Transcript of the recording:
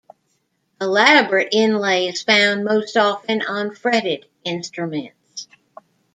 Elaborate inlay is found most often on fretted instruments.